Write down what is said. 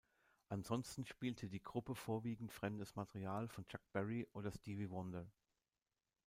Ansonsten spielte die Gruppe vorwiegend fremdes Material von Chuck Berry oder Stevie Wonder.